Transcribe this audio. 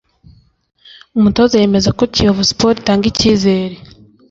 umutoza yemeza ko Kiyovu Sports itanga icyizere